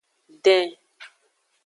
Den.